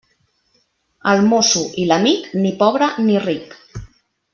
El mosso i l'amic, ni pobre ni ric.